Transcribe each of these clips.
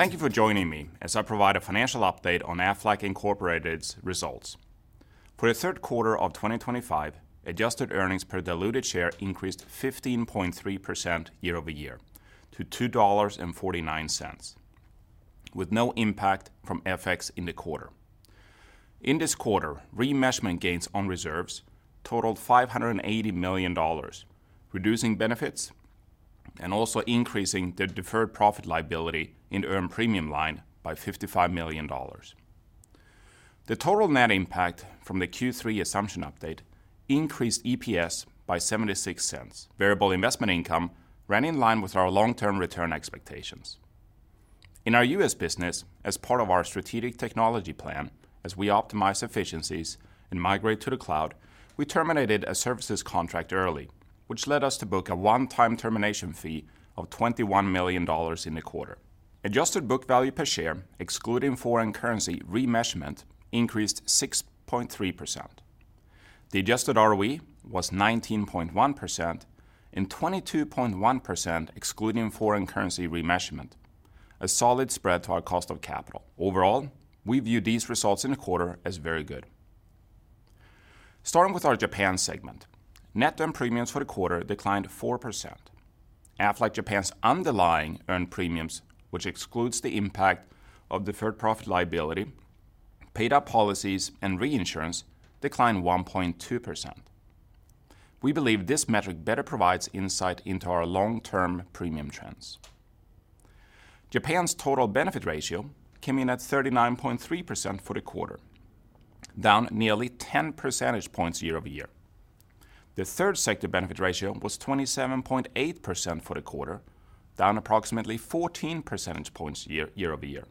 Thank you for joining me as I provide a financial update on Aflac Incorporated's results. For the third quarter of 2025, adjusted earnings per diluted share increased 15.3% year-over-year to $2.49, with no impact from FX in the quarter. In this quarter, remeasurement gains on reserves totaled $580 million, reducing benefits and also increasing the deferred profit liability in the earned premium line by $55 million. The total net impact from the Q3 assumption update increased EPS by $0.76. Variable investment income ran in line with our long-term return expectations. In our U.S. business, as part of our strategic technology plan, as we optimize efficiencies and migrate to the cloud, we terminated a services contract early, which led us to book a one-time termination fee of $21 million in the quarter. Adjusted book value per share, excluding foreign currency remeasurement, increased 6.3%. The adjusted ROE was 19.1% and 22.1%, excluding foreign currency remeasurement, a solid spread to our cost of capital. Overall, we view these results in the quarter as very good. Starting with our Japan segment, net earned premiums for the quarter declined 4%. Aflac Japan's underlying earned premiums, which excludes the impact of deferred profit liability, paid-out policies, and reinsurance, declined 1.2%. We believe this metric better provides insight into our long-term premium trends. Japan's total benefit ratio came in at 39.3% for the quarter, down nearly 10 percentage points year-over-year. The third sector benefit ratio was 27.8% for the quarter, down approximately 14 percentage points year-over-year.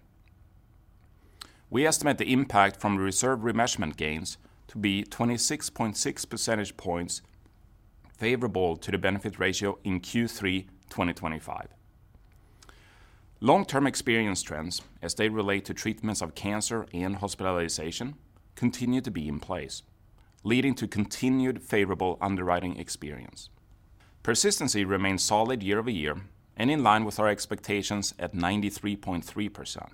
We estimate the impact from reserve remeasurement gains to be 26.6 percentage points favorable to the benefit ratio in Q3 2025. Long-term experience trends, as they relate to treatments of cancer and hospitalization, continue to be in place, leading to continued favorable underwriting experience. Persistency remains solid year-over-year and in line with our expectations at 93.3%.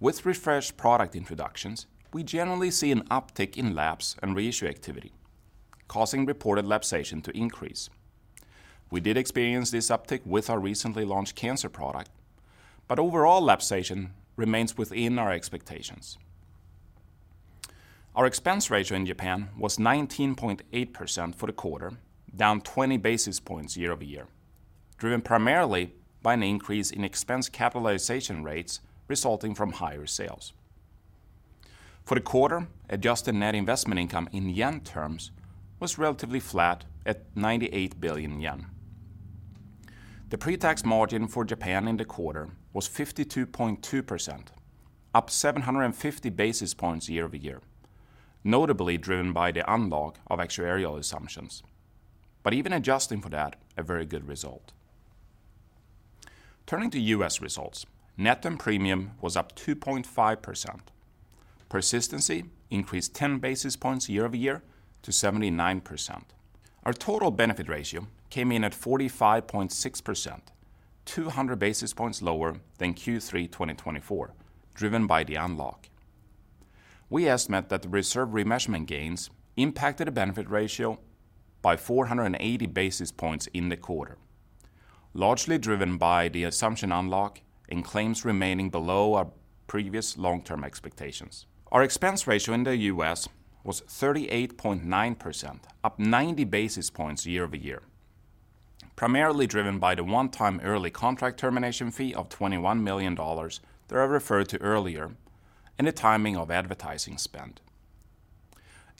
With refreshed product introductions, we generally see an uptick in lapse and reissue activity, causing reported lapsation to increase. We did experience this uptick with our recently launched cancer product, but overall lapsation remains within our expectations. Our expense ratio in Japan was 19.8% for the quarter, down 20 basis points year-over-year, driven primarily by an increase in expense capitalization rates resulting from higher sales. For the quarter, adjusted net investment income in yen terms was relatively flat at 98 billion yen. The pre-tax margin for Japan in the quarter was 52.2%, up 750 basis points year-over-year, notably driven by the unlock of actuarial assumptions. But even adjusting for that, a very good result. Turning to U.S. results, net earned premium was up 2.5%. Persistency increased 10 basis points year-over-year to 79%. Our total benefit ratio came in at 45.6%, 200 basis points lower than Q3 2024, driven by the unlock. We estimate that the reserve remeasurement gains impacted the benefit ratio by 480 basis points in the quarter, largely driven by the assumption unlock and claims remaining below our previous long-term expectations. Our expense ratio in the U.S. was 38.9%, up 90 basis points year-over-year, primarily driven by the one-time early contract termination fee of $21 million that I referred to earlier and the timing of advertising spend.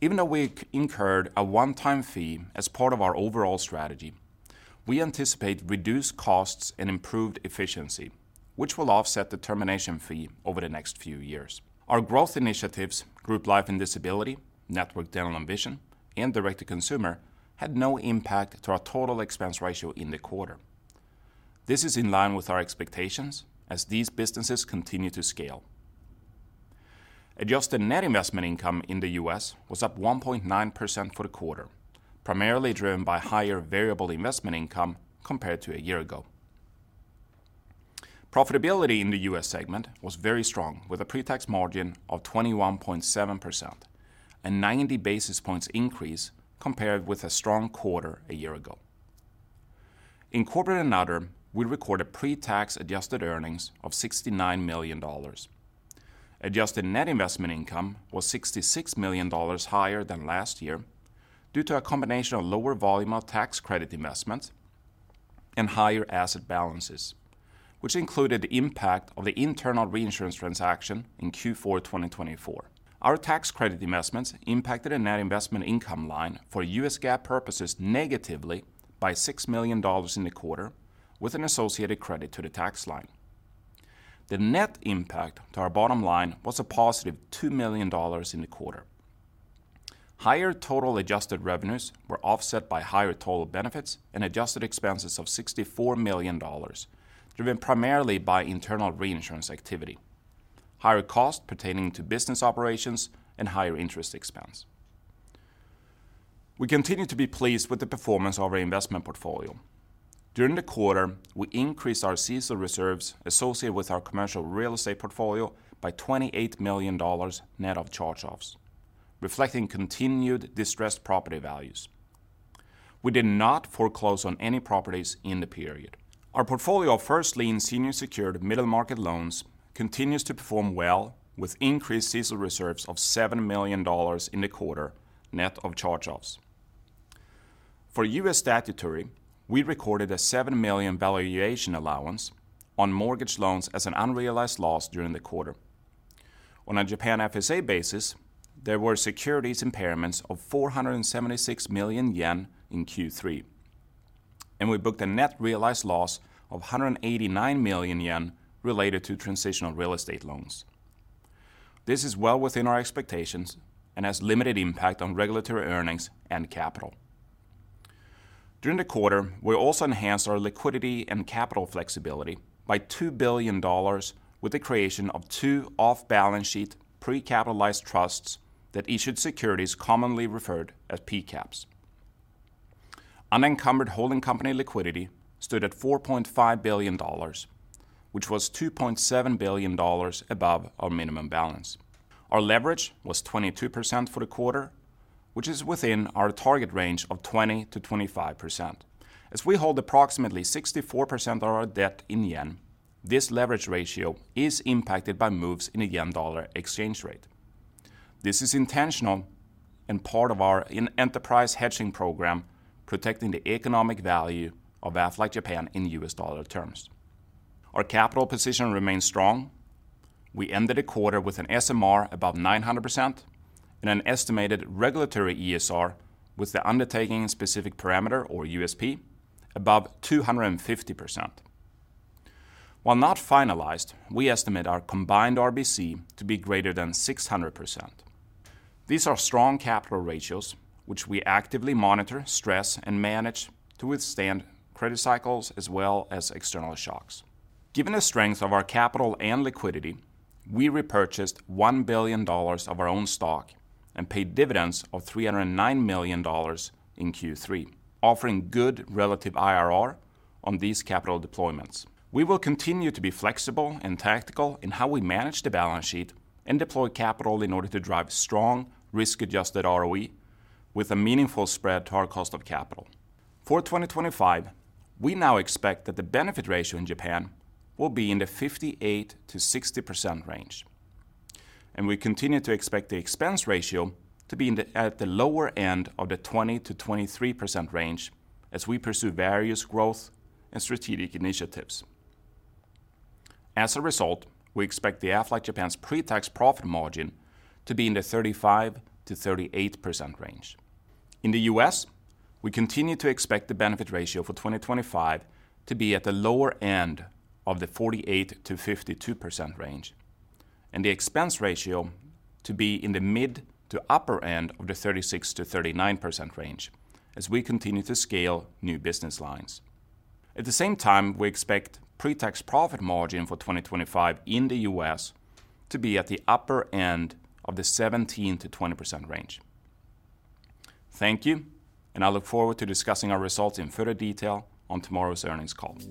Even though we incurred a one-time fee as part of our overall strategy, we anticipate reduced costs and improved efficiency, which will offset the termination fee over the next few years. Our growth initiatives, Group Life and Disability, Network Dental and Vision, and Direct-to-Consumer, had no impact to our total expense ratio in the quarter. This is in line with our expectations as these businesses continue to scale. Adjusted net investment income in the U.S. was up 1.9% for the quarter, primarily driven by higher variable investment income compared to a year ago. Profitability in the U.S. segment was very strong, with a pre-tax margin of 21.7%, a 90 basis points increase compared with a strong quarter a year ago. In Corporate and Other, we recorded pre-tax adjusted earnings of $69 million. Adjusted net investment income was $66 million higher than last year due to a combination of lower volume of tax credit investments and higher asset balances, which included the impact of the internal reinsurance transaction in Q4 2024. Our tax credit investments impacted the net investment income line for U.S. GAAP purposes negatively by $6 million in the quarter, with an associated credit to the tax line. The net impact to our bottom line was a positive $2 million in the quarter. Higher total adjusted revenues were offset by higher total benefits and adjusted expenses of $64 million, driven primarily by internal reinsurance activity, higher costs pertaining to business operations, and higher interest expense. We continue to be pleased with the performance of our investment portfolio. During the quarter, we increased our CECL reserves associated with our commercial real estate portfolio by $28 million net of charge-offs, reflecting continued distressed property values. We did not foreclose on any properties in the period. Our portfolio of first lien, senior secured, middle market loans continues to perform well, with increased CECL reserves of $7 million in the quarter net of charge-offs. For U.S. statutory, we recorded a $7 million valuation allowance on mortgage loans as an unrealized loss during the quarter. On a Japan FSA basis, there were securities impairments of 476 million yen in Q3, and we booked a net realized loss of 189 million yen related to transitional real estate loans. This is well within our expectations and has limited impact on regulatory earnings and capital. During the quarter, we also enhanced our liquidity and capital flexibility by $2 billion with the creation of two off-balance sheet pre-capitalized trusts that issued securities commonly referred to as P-Caps. Unencumbered holding company liquidity stood at $4.5 billion, which was $2.7 billion above our minimum balance. Our leverage was 22% for the quarter, which is within our target range of 20%-25%. As we hold approximately 64% of our debt in yen, this leverage ratio is impacted by moves in the yen/dollar exchange rate. This is intentional and part of our enterprise hedging program protecting the economic value of Aflac Japan in U.S. dollar terms. Our capital position remains strong. We ended the quarter with an SMR above 900% and an estimated regulatory ESR with the undertaking specific parameter, or USP, above 250%. While not finalized, we estimate our combined RBC to be greater than 600%. These are strong capital ratios, which we actively monitor, stress, and manage to withstand credit cycles as well as external shocks. Given the strength of our capital and liquidity, we repurchased $1 billion of our own stock and paid dividends of $309 million in Q3, offering good relative IRR on these capital deployments. We will continue to be flexible and tactical in how we manage the balance sheet and deploy capital in order to drive strong risk-adjusted ROE with a meaningful spread to our cost of capital. For 2025, we now expect that the benefit ratio in Japan will be in the 58%-60% range, and we continue to expect the expense ratio to be at the lower end of the 20%-23% range as we pursue various growth and strategic initiatives. As a result, we expect Aflac Japan's pre-tax profit margin to be in the 35%-38% range. In the U.S., we continue to expect the benefit ratio for 2025 to be at the lower end of the 48%-52% range and the expense ratio to be in the mid to upper end of the 36%-39% range as we continue to scale new business lines. At the same time, we expect pre-tax profit margin for 2025 in the U.S. to be at the upper end of the 17%-20% range. Thank you, and I look forward to discussing our results in further detail on tomorrow's earnings call.